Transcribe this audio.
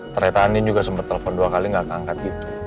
ternyata andin juga sempet telfon dua kali gak keangkat gitu